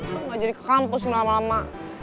aku gak jadi ke kampus lama lama